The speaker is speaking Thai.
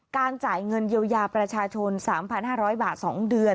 จ่ายเงินเยียวยาประชาชน๓๕๐๐บาท๒เดือน